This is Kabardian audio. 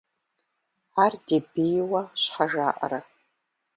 Ар ди бийуэ щхьэ жаӀэрэ?